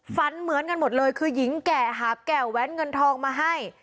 ฝันเหมือนกันหมดเลยคือหญิงแก่หาบแก่วแว้นเงินทองมาให้